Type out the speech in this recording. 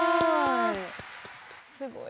すごい。